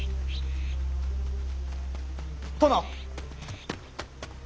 殿！